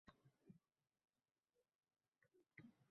— Yolg’on nima, ey odam?